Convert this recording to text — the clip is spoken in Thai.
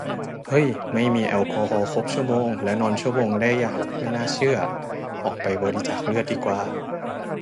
เฮ้ย ไม่มีแอลกอฮอล์ครบ ชั่วโมงและนอน ชั่วโมงได้อย่างไม่น่าเชื่อ ออกไปบริจาคเลือดดีกว่า